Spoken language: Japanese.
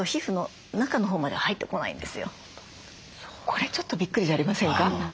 これちょっとびっくりじゃありませんか。